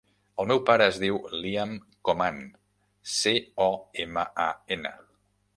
El meu pare es diu Liam Coman: ce, o, ema, a, ena.